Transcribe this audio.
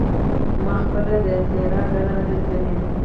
ما پخپله د تیراه ډله نه ده لیدلې.